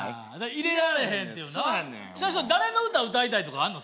入れられへんっていうなそうやねん誰の歌歌いたいとかあんの？